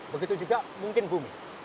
begitu juga mungkin bumi